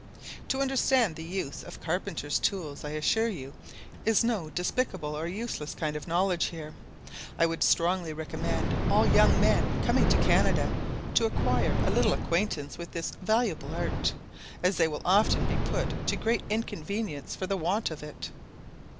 To understand the use of carpenter's tools, I assure you, is no despicable or useless kind of knowledge here. I would strongly recommend all young men coming to Canada to acquire a little acquaintance with this valuable art, as they will often be put to great inconvenience for the want of it.